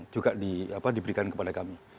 juga diberikan kepada kami